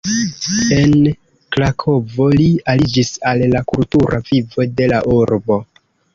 En Krakovo li aliĝis al la kultura vivo de la urbo.